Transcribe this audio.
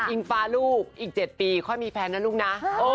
อิงฟ้าลูกอีก๗ปีค่อยมีแฟนนะลูกนะ